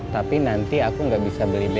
tapi nanti aku nggak bisa beli